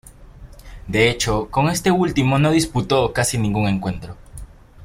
De hecho, con este último no disputó casi ningún encuentro.